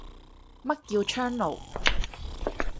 乜叫窗爐